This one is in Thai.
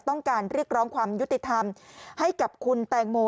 ต้องการเรียกร้องความยุติธรรมให้กับคุณแตงโม